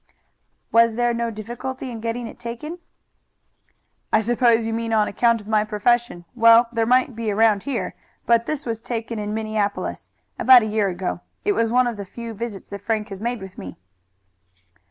"Was there no difficulty in getting it taken?" "I suppose you mean on account of my profession. Well, there might be around here, but this was taken in Minneapolis about a year ago. It was one of the few visits that Frank has made with me."